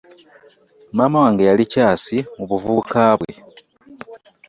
Maama wange yali kyasi mu buvubuka bwe.